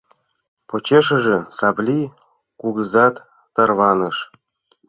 Почешыже Савлий кугызат тарваныш.